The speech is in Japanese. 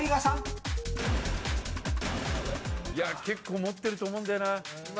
結構持ってると思うんだよな。